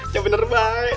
ya bener baik